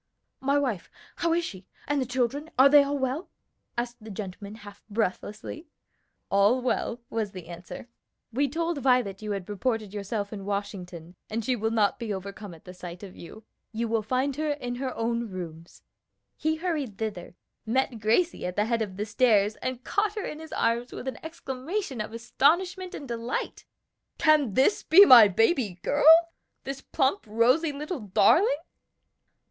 "My wife! how is she? and the children? are they all well?" asked the gentleman half breathlessly. "All well," was the answer. "We told Violet you had reported yourself in Washington, and she will not be overcome at sight of you. You will find her in her own rooms." He hurried thither, met Gracie at the head of the stairs, and caught her in his arms with an exclamation of astonishment and delight. "Can this be my baby girl? this plump, rosy little darling?"